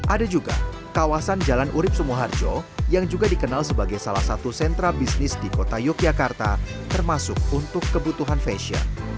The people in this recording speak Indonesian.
ada juga kawasan jalan urib sumoharjo yang juga dikenal sebagai salah satu sentra bisnis di kota yogyakarta termasuk untuk kebutuhan fashion